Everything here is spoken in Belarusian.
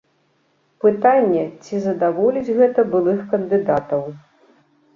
Пытанне, ці задаволіць гэта былых кандыдатаў.